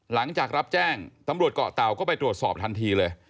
หลังจากรับแจ้งตำรวจเกาะเต่าก็ไปตรวจสอบทันทีเลย